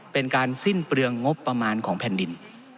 เป็นการสิ้นเปลืองงบประมาณของแผ่นดิน